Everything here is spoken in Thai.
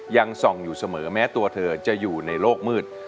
ยังส่องอยู่เสมอแม้ตัวเธอจะอยู่ในโลกมืด